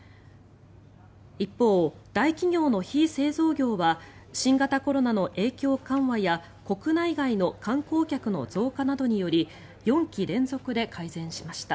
一方、大企業の非製造業は新型コロナの影響緩和や国内外の観光客の増加などにより４期連続で改善しました。